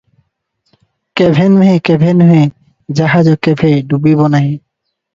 କେଭେଁ ନୁହେ - କେଭେଁ ନୁହେ - ଜାହାଜ କେଭେଁ ଡୁବିବ ନାହିଁ ।